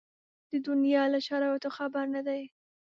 د دنیا له شرایطو خبر نه دي.